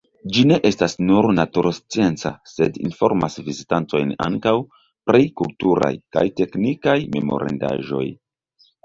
Ĝi ne estas nur naturscienca, sed informas vizitantojn ankaŭ pri kulturaj kaj teknikaj memorindaĵoj.